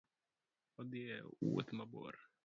, odhi e wuoth mabor.